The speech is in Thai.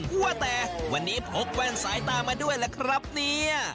ว่าแต่วันนี้พกแว่นสายตามาด้วยล่ะครับเนี่ย